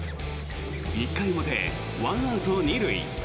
１回表１アウト２塁。